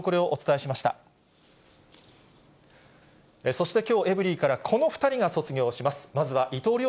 そしてきょう、エブリィからこの２人が卒業します。